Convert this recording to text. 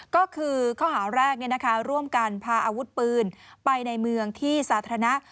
ก็คือข้อหาแรกร่วมกันพาอาวุธปืนไปในเมืองที่สาธารณะ